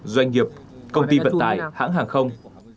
doanh nghiệp công ty vận tải hãng hàng không